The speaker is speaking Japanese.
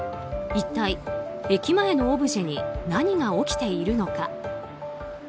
一体、駅前のオブジェに何が起きているのか。